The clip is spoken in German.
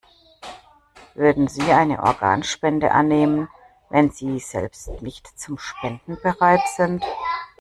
Würden Sie eine Organspende annehmen, wenn Sie selbst nicht zum Spenden bereit sind?